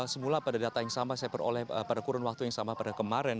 semula pada data yang sama saya peroleh pada kurun waktu yang sama pada kemarin